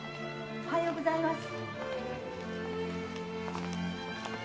おはようございます。